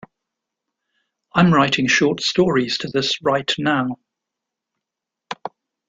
I'm writing short stories to this right now.